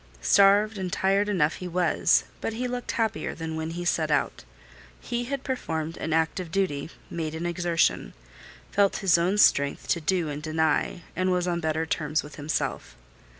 Starved and tired enough he was: but he looked happier than when he set out. He had performed an act of duty; made an exertion; felt his own strength to do and deny, and was on better terms with himself.